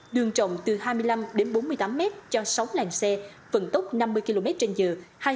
đường trọng từ hai mươi năm bốn mươi tám m cho sáu làng xe phần tốc năm mươi km trên giờ